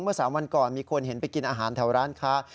๓วันก่อนมีคนเห็นไปกินอาหารแถวร้านค้า